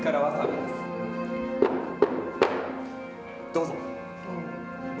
どうぞ。